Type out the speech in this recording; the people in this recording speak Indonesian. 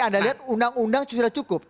anda lihat undang undang sudah cukup